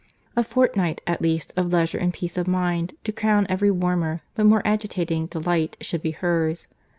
—A fortnight, at least, of leisure and peace of mind, to crown every warmer, but more agitating, delight, should be hers.